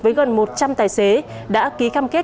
với gần một trăm linh tài xế đã ký cam kết